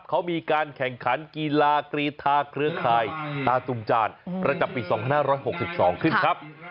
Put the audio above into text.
เขามีการแข่งขันกีฬากรีธาเครือข่ายตาตุมจานประจำปี๒๕๖๒ขึ้นครับ